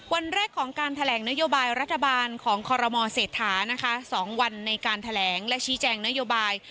วันแรกของการแถลงนโยบายรัฐบาลของคอรมอเศรษฐานะคะ๒วันในการแถลงและชี้แจงนโยบาย